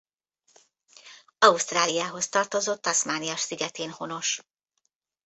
Ausztráliához tartozó Tasmania szigetén honos.